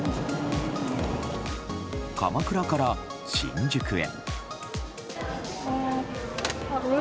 鎌倉から新宿へ。